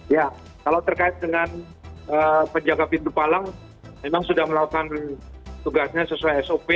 ya kalau terkait dengan penjaga pintu palang memang sudah melakukan tugasnya sesuai sop